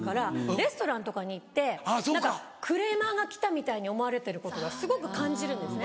レストランとかに行って何かクレーマーが来たみたいに思われてることがすごく感じるんですね。